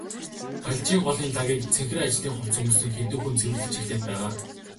Балжийн голын лагийг цэнхэр ажлын хувцас өмссөн хэдэн хүн цэвэрлэж эхлээд байгаа.